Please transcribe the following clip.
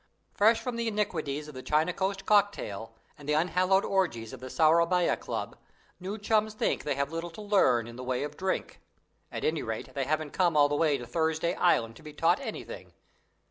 Fresh from the iniquities of the China coast cocktail and the unhallowed orgies of the Sourabaya Club, new chums think they have little to learn in the way of drink; at any rate, they haven't come all the way to Thursday Island to be taught anything.